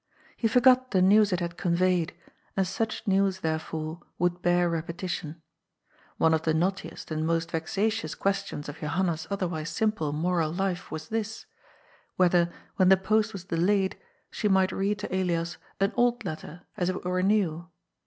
He forgot the news it had conveyed, and such news, therefore, would bear repetition. One of the knottiest and most vexatious questions of Johanna's otherwise simple moral life was this, whether, when the post was delayed, she might read to Elias an old letter, as if it were new